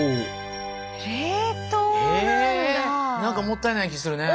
え何かもったいない気ぃするね。